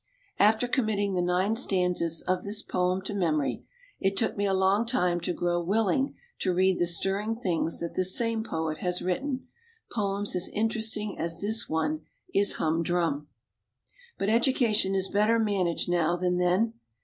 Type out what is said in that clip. After committing the nine stanzas of this poem to memory, it took me a long time to grow willing to read the stirring things that the same poet has written, poems as interesting as this one is humdrum. But education is better managed now than then.